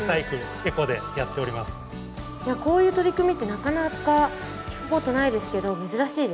こういう取り組みってなかなか聞くことないですけど珍しいですか？